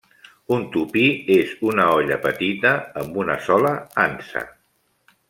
Un tupí és una olla petita amb una sola ansa.